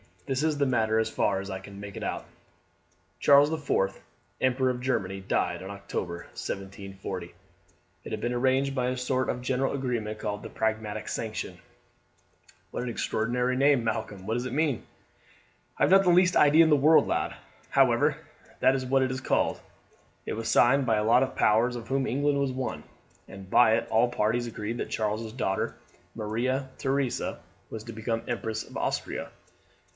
This is the matter as far as I can make it out. Charles VI., Emperor of Germany, died in October, 1740. It had been arranged by a sort of general agreement called the Pragmatic Sanction " "What an extraordinary name, Malcolm! What does it mean?" "I have not the least idea in the world, lad. However, that is what it is called. It was signed by a lot of powers, of whom England was one, and by it all parties agreed that Charles's daughter Maria Theresa was to become Empress of Austria.